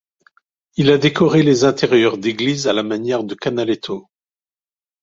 Il a décoré les intérieurs d'église à la manière de Canaletto.